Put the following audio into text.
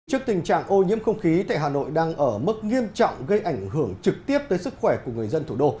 trước tình trạng ô nhiễm không khí tại hà nội đang ở mức nghiêm trọng gây ảnh hưởng trực tiếp tới sức khỏe của người dân thủ đô